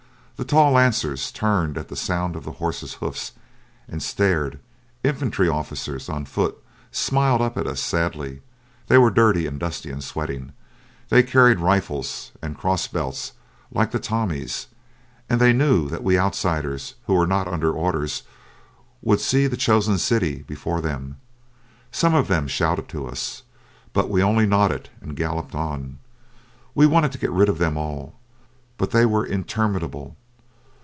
The tall lancers turned at the sound of the horses' hoofs and stared, infantry officers on foot smiled up at us sadly, they were dirty and dusty and sweating, they carried rifles and cross belts like the Tommies; and they knew that we outsiders who were not under orders would see the chosen city before them. Some of them shouted to us, but we only nodded and galloped on. We wanted to get rid of them all, but they were interminable.